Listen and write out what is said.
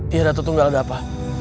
tidak tentu enggak ada apa